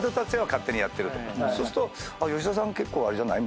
そうすると「吉田さん結構あれじゃない？